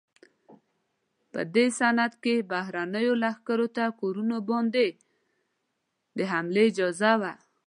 په دې سند کې بهرنیو لښکرو ته کورونو باندې د حملې اجازه وه.